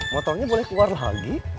motornya boleh keluar lagi